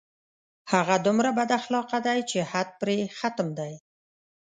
هغه دومره بد اخلاقه دی چې حد پرې ختم دی